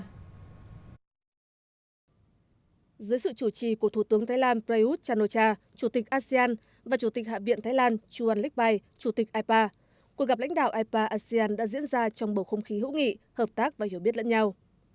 dưới sự chủ trì của thủ tướng thái lan prayuth chan o cha chủ tịch asean và chủ tịch hạ viện thái lan chuan lik pai chủ tịch ipa cuộc gặp lãnh đạo ipa asean đã diễn ra trong bầu không khí hữu nghị hợp tác và hiểu biết lẫn nhau